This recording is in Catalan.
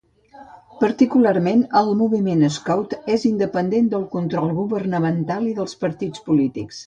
Particularment, el moviment Scout és independent del control governamental i dels partits polítics.